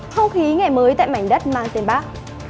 không khí ngày mới tại mảnh đất mang tên bác